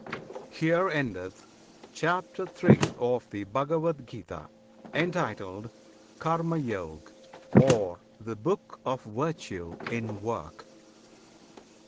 HERE ENDETH CHAPTER III. OF THE BHAGAVAD GITA, Entitled "Karma Yog," Or "The Book of Virtue in Work."